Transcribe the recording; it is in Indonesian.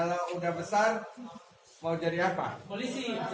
ada yang mau jadi kepati